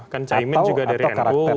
kan caimin juga dari nu